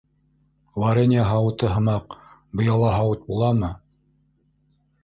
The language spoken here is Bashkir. Варение һауыты һымаҡ, быяла һауыт буламы?